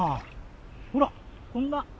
ほらこんな！